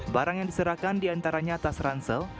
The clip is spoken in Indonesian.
barang yang diserahkan diantaranya tas ransel